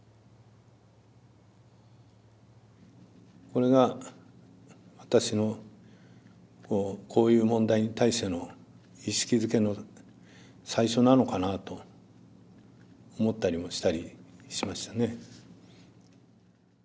これが私のこういう問題に対しての意識づけの最初なのかなと思ったりもしたりしましたね。